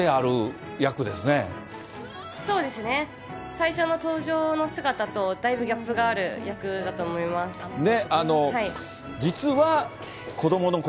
最初の登場の姿と、だいぶギャップがある役だと思います。ね。